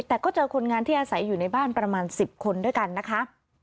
แต่ก็เจอคนงานที่อาศัยอยู่ในบ้านประมาณ๑๐คนด้วยกันนะคะ